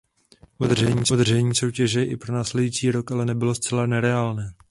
Udržení soutěže i pro následující rok ale nebylo zcela nereálné.